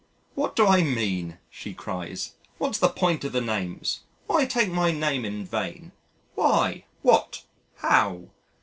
What do I mean? she cries. "What's the point of the names? Why take my name in vain? Why? What? How?"